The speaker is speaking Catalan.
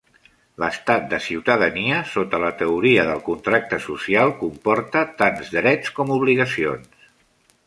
L"estat de ciutadania, sota la teoria del contracte social, comporta tant drets com obligacions.